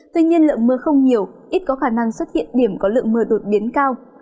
tuy nhiên lượng mưa không nhiều ít có khả năng xuất hiện điểm có lượng mưa đột biến cao